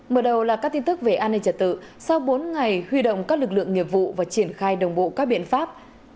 mở đầu là các tin tức về an ninh trật tự sau bốn ngày huy động các lực lượng nghiệp vụ và triển khai đồng bộ các biện pháp